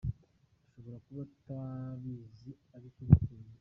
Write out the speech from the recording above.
Ashobora kuba atabizi, ariko niko bimeze!” .